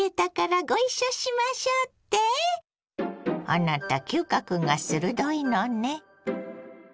あなた嗅覚が鋭いのね。